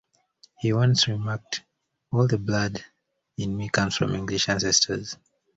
He once remarked "all the blood in me comes from English ancestors".